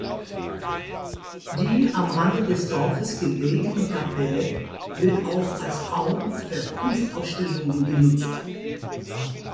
Die am Rande des Dorfes gelegene Kapelle wird auch als Raum für Kunstausstellungen genutzt.